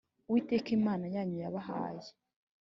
Uwiteka Imana yanyu yabahaye